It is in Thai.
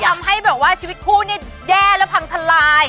มันจะทำให้ชีวิตคู่เนี่ยแด้แล้วพังทลาย